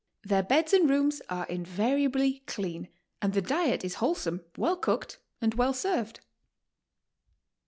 Their beds and rooms are invariably clean, and the diet is wholesome, well cooked and well served.